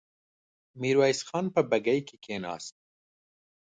ميرويس خان په بګۍ کې کېناست.